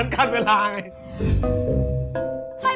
ไม่มีเวลาไง